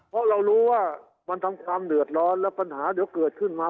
เพราะเรารู้ว่ามันทำความเดือดร้อนแล้วปัญหาเดี๋ยวเกิดขึ้นมา